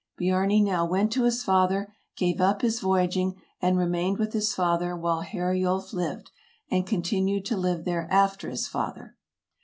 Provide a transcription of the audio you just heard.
Biarni now went to his father, gave up his voyaging, and remained with his father while Heriulf lived, and continued to live there after his father.